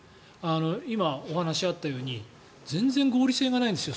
今、お話があったように全然合理性がないんですよ